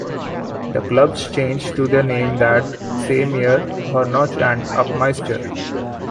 The club changed their name in that same year to Hornchurch and Upminster.